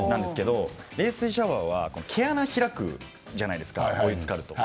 冷水シャワーは、毛穴が開くじゃないですかお湯につかると。